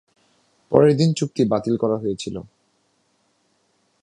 পরের দিন চুক্তি বাতিল করা হয়েছিল।